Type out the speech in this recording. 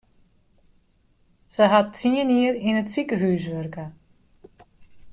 Se hat tsien jier yn it sikehús wurke.